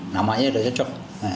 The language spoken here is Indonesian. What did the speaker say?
namanya udah cocok